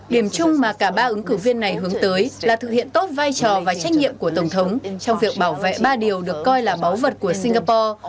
điểm chung mà cả ba ứng cử viên này hướng tới là thực hiện tốt vai trò và trách nhiệm của tổng thống trong việc bảo vệ ba điều được coi là báu vật của singapore